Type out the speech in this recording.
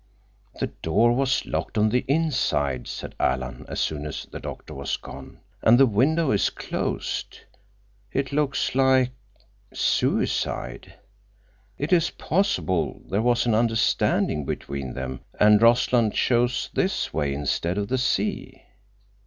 "The door was locked on the inside," said Alan, as soon as the doctor was gone. "And the window is closed. It looks like—suicide. It is possible—there was an understanding between them—and Rossland chose this way instead of the sea?"